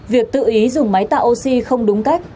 việc tự ý dùng máy tạo oxy không đúng cách